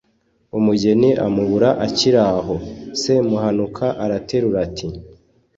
umugeni amubura akiri aho. semuhanuka araterura ati